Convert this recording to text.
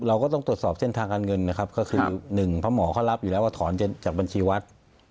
เราก็ต้องตรวจสอบเส้นทางการเงินนะครับก็คือหนึ่งเพราะหมอเขารับอยู่แล้วว่าถอนจากบัญชีวัด